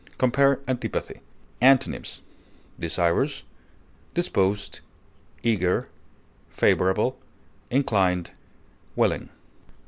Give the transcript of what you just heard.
Compare ANTIPATHY. Antonyms: desirous, disposed, eager, favorable, inclined, willing.